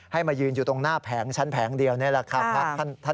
มายืนอยู่ตรงหน้าแผงชั้นแผงเดียวนี่แหละครับ